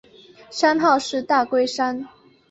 山号是大龟山。